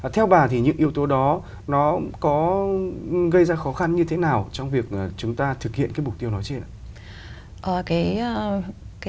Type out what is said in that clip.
theo bà thì những yếu tố đó nó có gây ra khó khăn như thế nào trong việc chúng ta thực hiện cái mục tiêu nói trên ạ